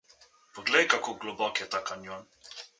Poglej, kako globok je ta kanjon!